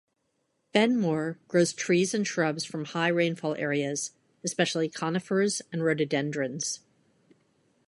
Benmore grows trees and shrubs from high rainfall areas, especially conifers and rhododendrons.